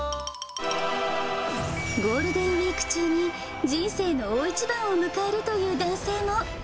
ゴールデンウィーク中に人生の大一番を迎えるという男性も。